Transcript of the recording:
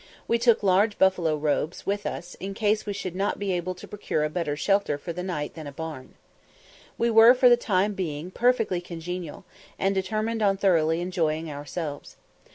We took large buffalo robes with us, in case we should not be able to procure a better shelter for the night than a barn. We were for the time being perfectly congenial, and determined on thoroughly enjoying ourselves.